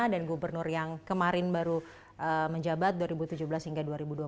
dan gubernur yang kemarin baru menjabat dua ribu tujuh belas hingga dua ribu dua puluh dua